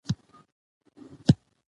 بزګر د کار او زیار هیرو نه دی